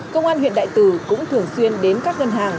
công an huyện đại từ cũng thường xuyên đến các ngân hàng